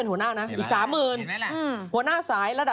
สวัสดีค่าข้าวใส่ไข่